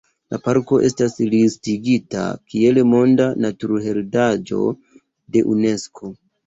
La parko estas listigita kiel Monda Naturheredaĵo de Unesko.